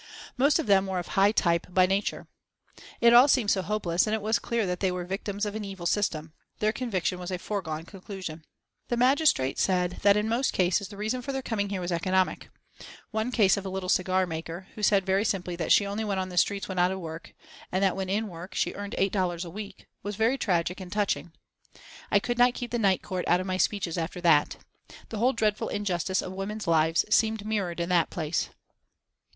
Most of them were of high type by nature. It all seemed so hopeless, and it was clear that they were victims of an evil system. Their conviction was a foregone conclusion. The magistrate said that in most cases the reason for their coming there was economic. One case of a little cigar maker, who said very simply that she only went on the streets when out of work, and that when in work she earned $8 a week, was very tragic and touching. I could not keep the Night Court out of my speeches after that. The whole dreadful injustice of women's lives seemed mirrored in that place.